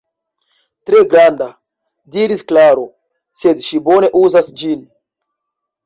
Tre granda, diris Klaro, sed ŝi bone uzas ĝin.